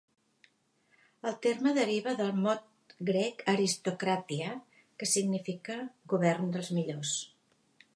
El terme deriva del mot grec "aristokratia", que significa "govern dels millors".